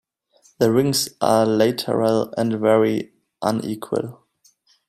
The wings are lateral and very unequal.